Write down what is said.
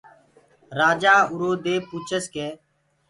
رآجآ اُرو دي پوڇس ڪي